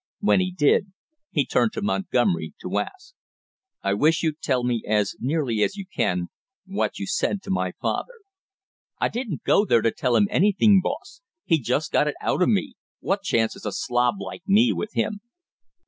When he did, he turned to Montgomery to ask: "I wish you'd tell me as nearly as you can what you said to my father?" "I didn't go there to tell him anything, boss; he just got it out of me. What chance has a slob like me with him?"